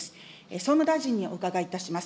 総務大臣にお伺いいたします。